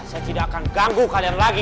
saya tidak akan ganggu kalian lagi